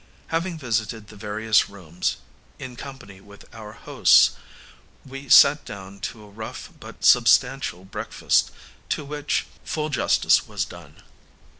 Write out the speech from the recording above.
Having visited the various rooms, in company with our hosts, we sat down to a rough but substantial breakfast, to which full justice was done.